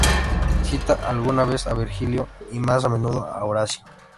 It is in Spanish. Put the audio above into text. Cita alguna vez a Virgilio y más a menudo a Horacio.